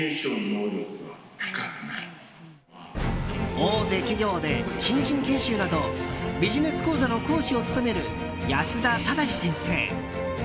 大手企業で、新人研修などビジネス講座の講師を務める安田正先生。